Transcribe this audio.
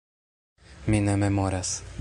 Mi ne memoras.